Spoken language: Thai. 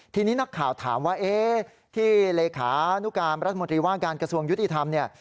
ทีนี้นักข่าวถามว่าเอ๊ะที่เลขานุการรัฐมนตรีว่าการกระทรวงยุติธรรมเนี่ย